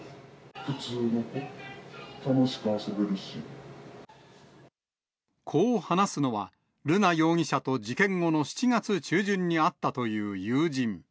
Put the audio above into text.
普通の子、こう話すのは、瑠奈容疑者と事件後の７月中旬に会ったという友人。